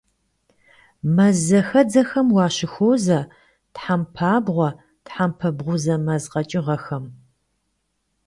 Мэззэхэдзэхэм уащыхуозэ тхьэмпабгъуэ, тхьэмпэ бгъузэ мэз къэкӀыгъэхэм.